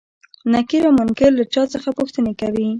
نکير او منکر له چا څخه پوښتنې کوي؟